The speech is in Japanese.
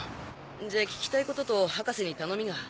じゃあ聞きたいことと博士に頼みが。